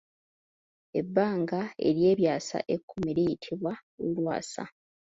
Ebbanga eryebyaasa ekkumi liyitibwa olwasa.